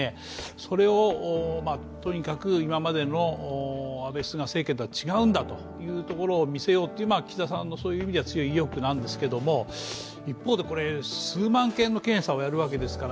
それをとにかく今までの安倍・菅政権とは違うんだというところを見せようという岸田さんの強い意欲なんですけれども、一方で、数万件の検査をやるわけですから